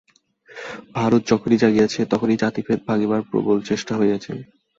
ভারত যখনই জাগিয়াছে, তখনই জাতিভেদ ভাঙিবার প্রবল চেষ্টা হইয়াছে।